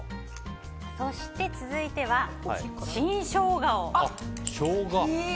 そして続いては新ショウガを。